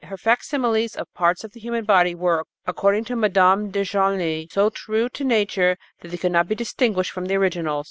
Her facsimiles of parts of the human body were, according to Mme. de Genlis, so true to nature that they could not be distinguished from the originals.